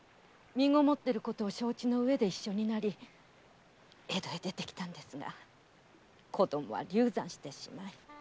身ごもっていることを承知のうえで一緒になり江戸へ出てきたんですが子供は流産してしまい。